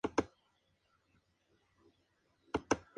No faltan las representaciones antropomorfas.